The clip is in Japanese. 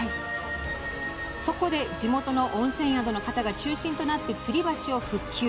そこで、地元の温泉宿の方が中心となって、つり橋を復旧。